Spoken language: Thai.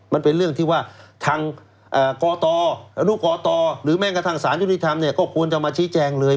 มันเป็นเรื่องที่ว่าทางกตอนุกตหรือแม้กระทั่งสารยุติธรรมเนี่ยก็ควรจะมาชี้แจงเลย